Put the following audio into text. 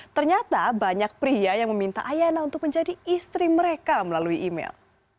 ternyata banyak pria yang meminta ayana untuk menjadi istri mereka melalui email